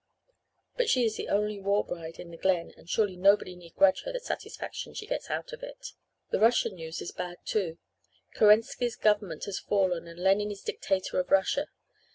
But she is the only war bride in the Glen and surely nobody need grudge her the satisfaction she gets out of it. "The Russian news is bad, too Kerensky's government has fallen and Lenin is dictator of Russia.